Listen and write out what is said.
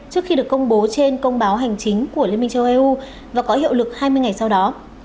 trước khi được công bố trên công báo hành chính của liên minh châu eu và có hiệu lực hai mươi ngày sau đó